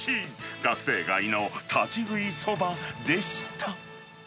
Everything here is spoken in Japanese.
学生街の立ち食いそばでした。